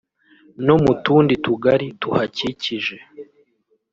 no mu tundi tugari tuhakikije